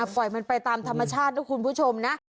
ปล่อยมันไปตามธรรมชาตินะคุณผู้ชมนะ